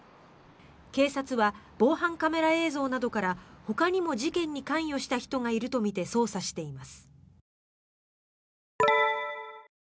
警察は防犯カメラ映像などからほかにも事件に関与した人がいるとみて捜査しています。